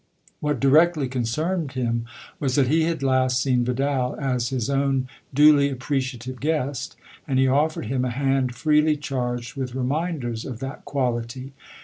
What directly concerned him was that he had last seen Vidal as his own duly appreciative guest, and he offered him a hand freely charged with reminders of that quality.